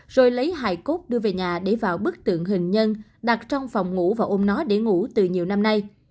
rồi lấy hài cốt đưa về nhà để vào bức tượng hình nhân đặt trong phòng ngủ và ôm nó để ngủ từ nhiều năm nay